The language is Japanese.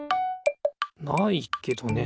ないけどね。